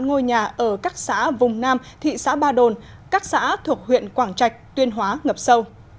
ngôi nhà ở các xã vùng nam thị xã ba đồn các xã thuộc huyện quảng trạch tuyên hóa ngập sâu